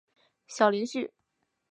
小林旭。